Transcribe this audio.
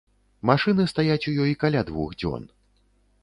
Машыны стаяць у ёй каля двух дзён.